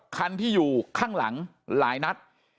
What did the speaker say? คันที่อยู่ข้างหลังหลายนัด